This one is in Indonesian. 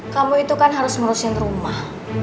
kamu itu kan harus ngurusin rumah